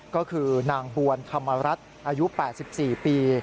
ก็คือนางบวนธรรมรัฐอายุ๘๔ปี